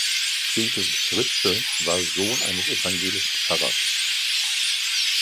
Friedrich Ritschl war Sohn eines evangelischen Pfarrers.